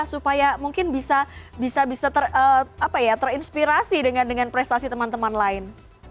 supaya mungkin bisa terinspirasi dengan prestasi teman teman lain